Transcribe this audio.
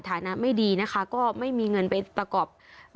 ฐานะไม่ดีนะคะก็ไม่มีเงินไปประกอบ